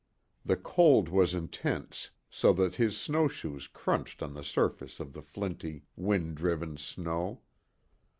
The cold was intense so that his snowshoes crunched on the surface of the flinty, wind driven snow.